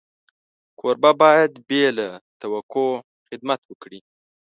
کوربه باید بې له توقع خدمت وکړي.